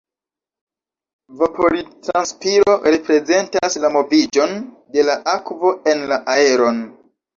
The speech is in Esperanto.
Vaporiĝ-transpiro reprezentas la moviĝon de la akvo en la aeron.